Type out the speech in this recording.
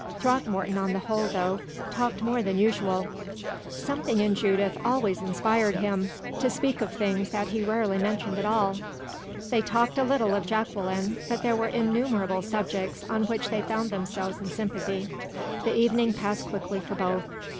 Throckmorton, on the whole, though, talked more than usual. Something in Judith always inspired him to speak of things that he rarely mentioned at all. They talked a little of Jacqueline, but there were innumerable subjects on which they found themselves in sympathy. The evening passed quickly for both.